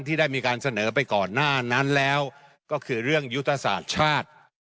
ที่ได้มีการเสนอไปก่อนหน้านั้นแล้วก็คือเรื่องยุทธศาสตร์ชาติ